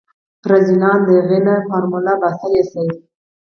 رذيلان د اغې نه فارموله باسلی شي.